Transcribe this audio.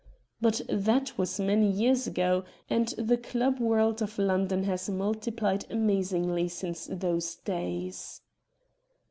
But that was 14 RED DIAMONDS many years ago, and the club world of London has multiplied amazingly since those days.